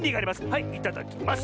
はいいただきます。